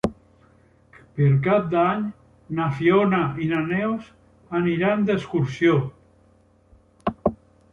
Per Cap d'Any na Fiona i na Neus aniran d'excursió.